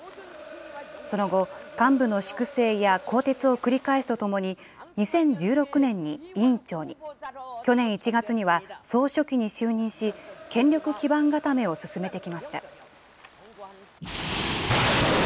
その後、幹部の粛清や更迭を繰り返すとともに、２０１６年に委員長に、去年１月には総書記に就任し、権力基盤固めを進めてきました。